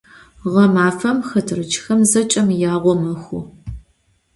Ğemafem xeterıç'xem zeç'emi yağo mexhu.